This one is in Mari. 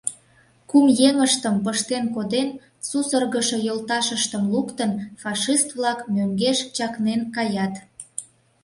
Кум еҥыштым пыштен коден, сусыргышо йолташыштым луктын, фашист-влак мӧҥгеш чакнен каят...